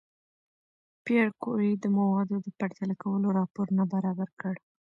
پېیر کوري د موادو د پرتله کولو راپور نه برابر کړ؟